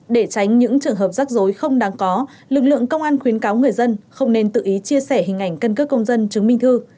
để tránh những trường hợp rắc rối không đáng có lực lượng công an khuyến cáo người dân không nên tự ý chia sẻ hình ảnh căn cước công dân chứng minh thư